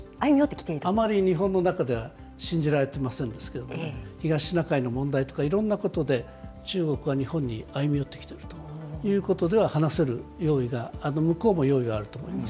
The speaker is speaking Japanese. あまり日本の中では信じられてませんですけれども、東シナ海の問題とか、いろんなことで、中国は日本に歩み寄ってきてるということでは、話せる用意が、向こうも用意があると思います。